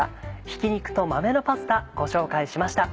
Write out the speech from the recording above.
「ひき肉と豆のパスタ」ご紹介しました。